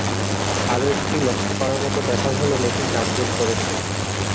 আরো একটি লক্ষ করার মতো ব্যাপার হল-মেয়েটি সাজগোজ করেছে।